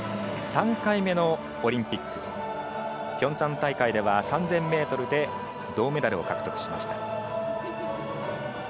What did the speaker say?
３回目のオリンピック、ピョンチャン大会では３０００ｍで銅メダルを獲得しました。